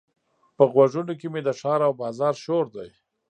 په غوږونو کې مې د ښار او بازار شور دی.